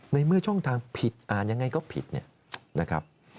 ในเมื่อช่องทางผิดอ่านยังไงก็ผิดเนี่ยนะครับ